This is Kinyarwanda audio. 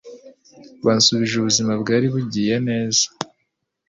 bansubije ubuzima bwari bugiye neza